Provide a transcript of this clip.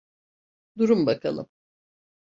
Durun bakalım!